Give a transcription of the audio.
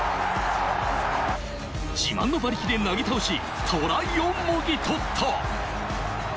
自慢の馬力でなぎ倒し、トライをもぎ取った！